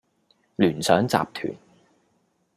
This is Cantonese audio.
聯想集團